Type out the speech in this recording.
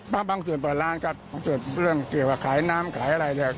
บางครั้งเปิดร้านครับเรื่องเกี่ยวกับขายน้ำขายอะไร